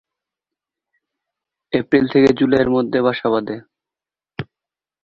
April থেকে জুলাইয়ের মধ্যে বাসা বাঁধে।